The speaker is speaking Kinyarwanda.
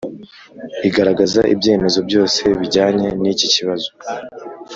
igaragaza ibyemezo byose bijyanye n iki kibazo